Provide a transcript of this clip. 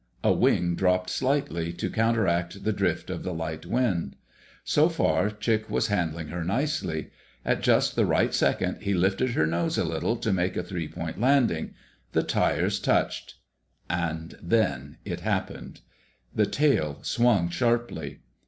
A wing dropped slightly, to counteract the drift of the light wind. So far, Chick was handling her nicely. At just the right second he lifted her nose a little to make a three point landing. The tires touched.... And then it happened. The tail swung sharply.